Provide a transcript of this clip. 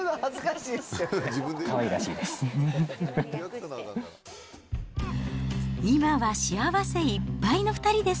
かわいいらしいです。